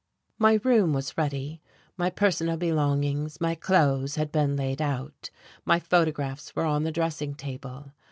My room was ready, my personal belongings, my clothes had been laid out, my photographs were on the dressing table.